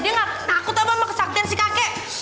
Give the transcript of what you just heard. dia nggak takut sama kesaktian si kakek